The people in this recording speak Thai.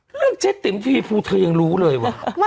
เรื่องเจ๊ติ๋มเที้ยงรู้เลยว่ะ